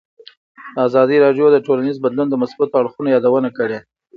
ازادي راډیو د ټولنیز بدلون د مثبتو اړخونو یادونه کړې.